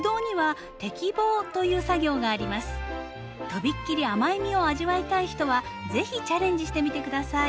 とびっきり甘い実を味わいたい人は是非チャレンジしてみて下さい。